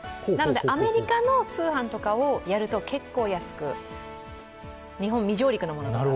アメリカの通販とかをやると結構安く、日本未上陸のものが。